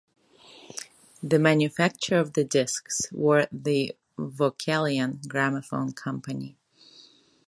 The manufacturer of the discs were the Vocalion Gramophone Company.